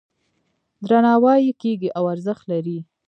درناوی یې کیږي او ارزښت لري.